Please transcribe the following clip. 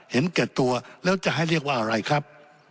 เห็นแก่ตัวแล้วจะให้เรียกว่าอะไรครับ